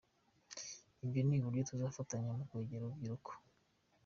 Ibyo ni uburyo tuzafatanya mu kwegera urubyiruko.